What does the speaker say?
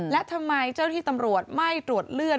และทำไมเจ้าที่ตำรวจไม่ตรวจเลือด